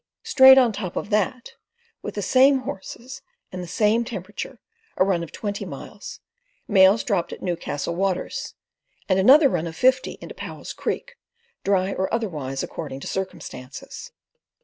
Straight on top of that, with the same horses and the same temperature, a run of twenty miles, mails dropped at Newcastle Waters, and another run of fifty into Powell's Creek, dry or otherwise according to circumstances.